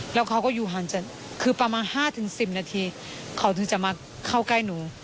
แล้วเขาก็อยู่ห่างจากคือประมาณ๕๑๐นาทีเขาถึงจะมาเข้าใกล้หนู